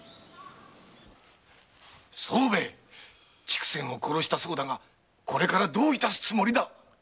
竹仙を殺したそうだがこれからどう致すつもりだ？